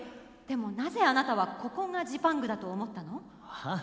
でもなぜあなたはここがジパングだと思ったの？